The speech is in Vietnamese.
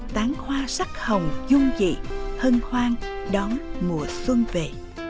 tán hoa sắc hồng dung dị hân hoan đón mùa xuân về